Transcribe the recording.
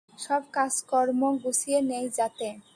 সব কাজকর্ম গুছিয়ে নেই যাতে।